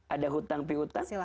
ada hutang pihutang